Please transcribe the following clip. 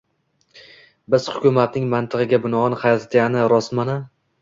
biz hukumatning mantig‘iga binoan, Xartiyani rostmana